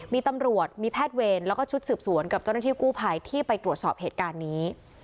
มีตำรวจมีแพทย์เวรแล้วก็ชุดสืบสวนกับเจ้าหน้าที่กู้ภัยที่ไปตรวจสอบเหตุการณ์นี้